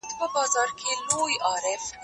زه کولای سم سبزیجات وچوم؟